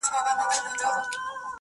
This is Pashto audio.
نن هغه اور د ابا پر مېنه بل دئ!.